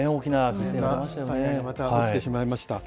また災害が起きてしまいました。